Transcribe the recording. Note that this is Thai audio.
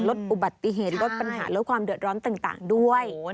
ลดอุบัติเหตุลดปัญหาลดความเดือดร้อนต่างด้วย